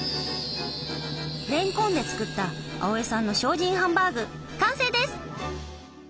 れんこんで作った青江さんの精進ハンバーグ完成です！